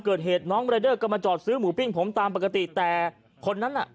เกิดเหตุน้องรายเดอร์ก็มาจอดซื้อหมูปิ้งผมตามปกติแต่คนนั้นน่ะ